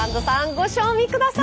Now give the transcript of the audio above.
ご賞味ください！